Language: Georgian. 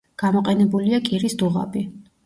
გამოყენებულია კირის დუღაბი.